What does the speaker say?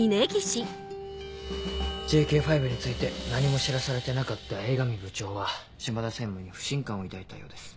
ＪＫ５について何も知らされてなかった江上部長は島田専務に不信感を抱いたようです。